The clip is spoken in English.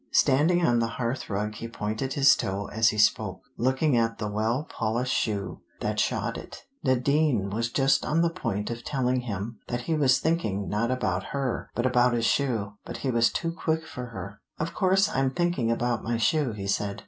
Standing on the hearth rug he pointed his toe as he spoke, looking at the well polished shoe that shod it. Nadine was just on the point of telling him that he was thinking not about her, but about his shoe, but he was too quick for her. "Of course I'm thinking about my shoe," he said.